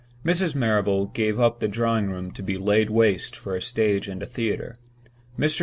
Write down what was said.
Mrs. Marrable gave up the drawing room to be laid waste for a stage and a theater. Mr.